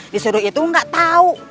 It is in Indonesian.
disuruh itu gak tahu